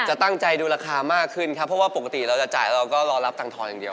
จะตั้งใจดูราคามากขึ้นครับเพราะว่าปกติเราจะจ่ายเราก็รอรับตังทองอย่างเดียว